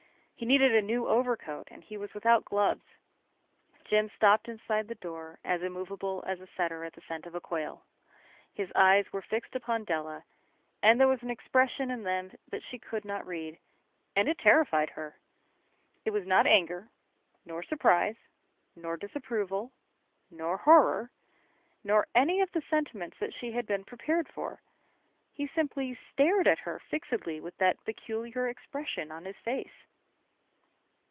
He needed a new overcoat and he was without gloves. Jim stopped inside the door, as immovable as a setter at the scent of quail. His eyes were fixed upon Della, and there was an expression in them that she could not read, and it terrified her. It was not anger, nor surprise, nor disapproval, nor horror, nor any of the sentiments that she had been prepared for. He simply stared at her fixedly with that peculiar expression on his face.